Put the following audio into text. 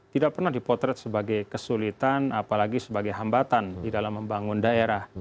tidak pernah dipotret sebagai kesulitan apalagi sebagai hambatan di dalam membangun daerah